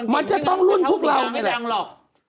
มันจะต้องรุ่นพวกเรานี่แหละ